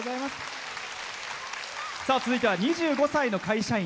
続いては、２５歳の会社員。